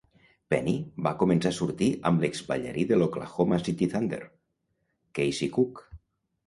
Penny va començar a sortir amb l'exballarí de l'Oklahoma City Thunder, Kaci Cook.